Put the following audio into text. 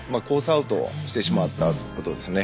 アウトしてしまったことですね。